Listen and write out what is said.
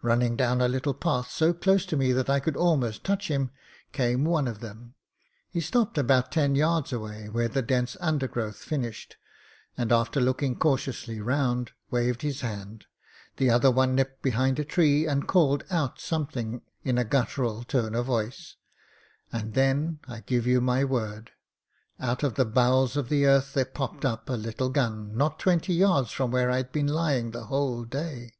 Running down a little path, so close to me that I could almost touch him, came one of them. He stopped about ten 3rards away where the dense undergrowth finished, and, after looking cautiously round, waved his hand. The other one nipped behind a tree and called out some^ THE MOTOR GUN 43 thing in a guttural tone of voice. And then, I give you my word, out of the bowels of the earth there popped up a little gim not twenty yards from where I'd been lying the whole day.